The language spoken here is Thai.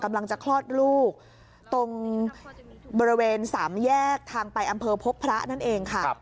กำลังจะคลอดลูกตรงบริเวณสามแยกทางไปอำเภอพบพระนั่นเองค่ะ